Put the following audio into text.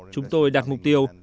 chúng tôi đặt mục tiêu